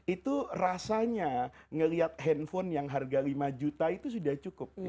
itu rasanya ngelihat handphone yang harga lima juta itu sudah cukup